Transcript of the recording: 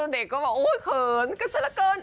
เด็กก็บอกโอ๊ยเขินก็ซะละเกิน